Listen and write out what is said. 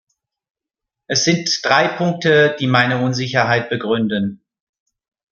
Es sind drei Punkte, die meine Unsicherheit begründen.